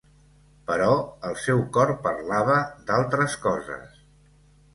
Però el seu cor parlava d'altres coses.